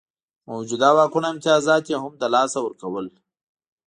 موجوده واکونه او امتیازات یې هم له لاسه ورکول.